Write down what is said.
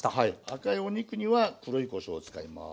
赤いお肉には黒いこしょうを使います。